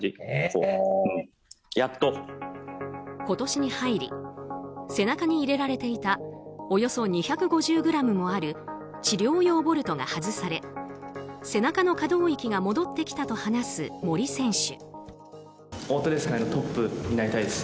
今年に入り背中に入れられていたおよそ２５０ｇもある治療用ボルトが外され背中の可動域が戻ってきたと話す森選手。